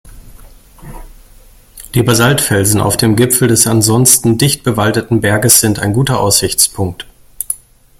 Die Basaltfelsen auf dem Gipfel des ansonsten dicht bewaldeten Berges sind ein guter Aussichtspunkt.